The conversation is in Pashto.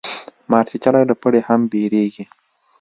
مار چیچلی له پړي هم بېريږي.